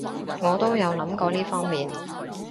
我都有諗過呢方面